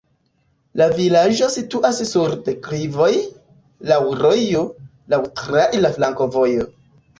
La vilaĝo situas sur deklivoj, laŭ rojo, laŭ traira flankovojo.